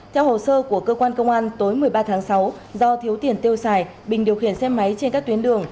theo hồ sơ của cơ quan công an tối một mươi ba tháng sáu do thiếu tiền tiêu xài bình điều khiển xe máy trên các tuyến đường